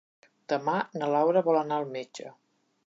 Demà na Laura vol anar al metge.